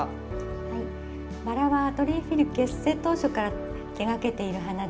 はいばらはアトリエＦｉｌ結成当初から手がけている花です。